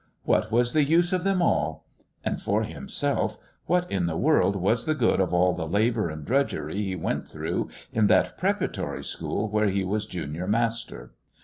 What was the use of them all? And for himself, what in the world was the good of all the labour and drudgery he went through in that preparatory school where he was junior master?